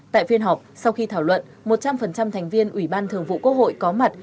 tại phiên họp sau khi thảo luận một trăm linh thành viên ủy ban thường vụ quốc hội có mặt